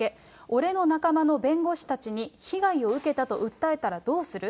俺の仲間の弁護士たちに被害を受けたと訴えたらどうする？